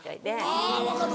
あぁ分かる。